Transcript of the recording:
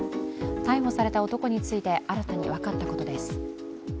逮捕された男について新たに分かったことです。